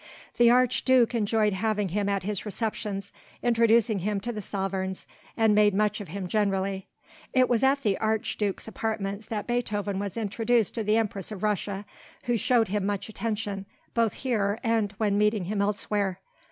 The Archduke enjoyed having him at his receptions, introducing him to the sovereigns, and made much of him generally. It was at the Archduke's apartments that Beethoven was introduced to the Empress of Russia, who showed him much attention, both here and when meeting him elsewhere.